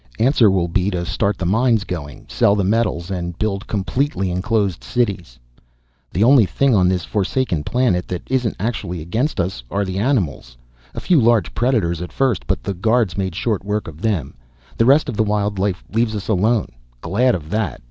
Answer will be to start the mines going, sell the metals and build completely enclosed cities._ _The only thing on this forsaken planet that isn't actually against us are the animals. A few large predators at first, but the guards made short work of them. The rest of the wild life leaves us alone. Glad of that!